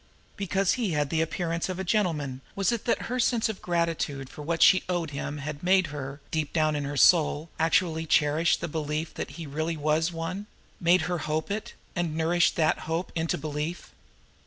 Because he had the appearance of a gentleman, was it that her sense of gratitude for what she owed him had made her, deep down in her soul, actually cherish the belief that he really was one made her hope it, and nourish that hope into belief?